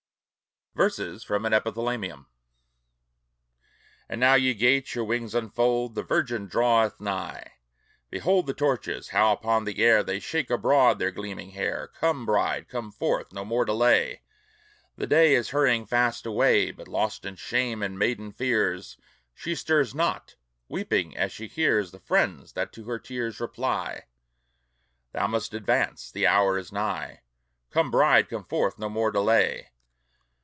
VERSES FROM AN EPITHALAMIUM And now, ye gates, your wings unfold! The virgin draweth nigh. Behold The torches, how upon the air They shake abroad their gleaming hair! Come, bride, come forth! no more delay! The day is hurrying fast away! But lost in shame and maiden fears, She stirs not, weeping, as she hears The friends that to her tears reply, Thou must advance, the hour is nigh! Come, bride, come forth! no more delay!